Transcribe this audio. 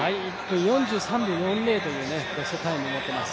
４３秒４０というベストタイムを持っています。